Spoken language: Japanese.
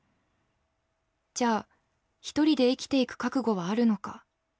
じゃあ１人で生きていく覚悟はあるのか？